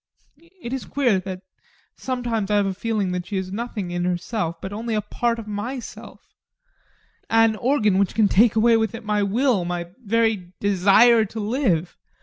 It is queer that sometimes I have a feeling that she is nothing in herself, but only a part of myself an organ that can take away with it my will, my very desire to live.